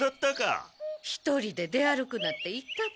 １人で出歩くなって言ったべ。